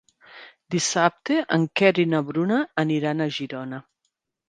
Dissabte en Quer i na Bruna aniran a Girona.